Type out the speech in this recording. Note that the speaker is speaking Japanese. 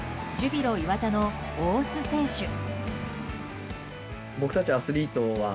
ジュビロ磐田の大津選手。